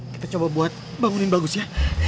kita coba buat bangunin bagus ya